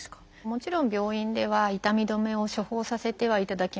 もちろん病院では痛み止めを処方させてはいただきます。